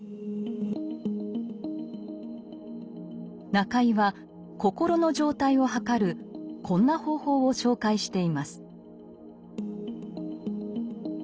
中井は心の状態をはかるこんな方法を紹介しています。